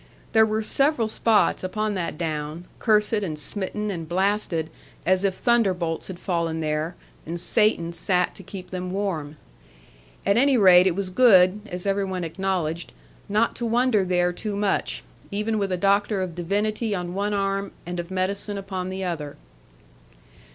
There were several spots, upon that Down, cursed and smitten, and blasted, as if thunderbolts had fallen there, and Satan sat to keep them warm. At any rate it was good (as every one acknowledged) not to wander there too much; even with a doctor of divinity on one arm and of medicine upon the other.